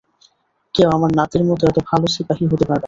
কেউ আমার নাতির মতো এতো ভালো সিপাহী হতে পারবে না।